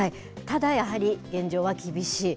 ただ、やはり現状は厳しい。